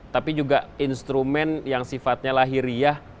tapi juga instrumen yang sifatnya lahiriah